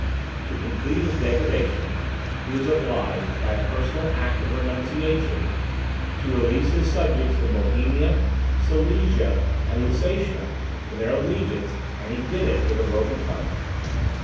To complete his degradation, he was obliged, by a personal act of renunciation, to release his subjects in Bohemia, Silesia, and Lusatia from their allegiance, and he did it with a broken heart.